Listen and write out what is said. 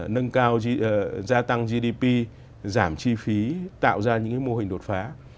nâng cao gia tăng gdp giảm chi phí tạo ra những mô hình đột phá